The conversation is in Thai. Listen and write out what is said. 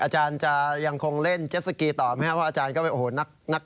ดูอาจารย์ในทะเลไม่เหมือนกันนะครับ